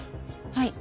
はい。